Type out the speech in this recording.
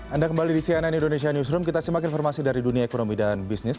anda kembali di cnn indonesia newsroom kita simak informasi dari dunia ekonomi dan bisnis